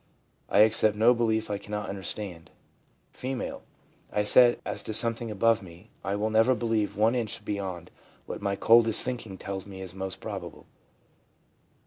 I accept no belief I cannot understand/ F. ' I said, as to something above me, I will never believe one inch beyond what my coldest thinking tells me is most probable/ M.